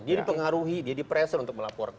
dia dipengaruhi dia di pressure untuk melaporkan